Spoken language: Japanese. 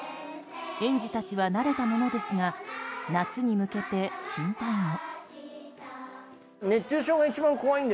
園児たちは慣れたものですが夏に向けて心配も。